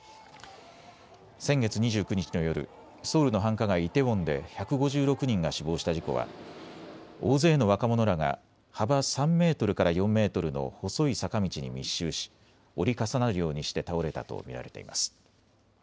先月２９日の夜、ソウルの繁華街、イテウォンで１５６人が死亡した事故は大勢の若者らが幅３メートルから４メートルの細い坂道に密集し折り重なるようにして倒れたと見られています。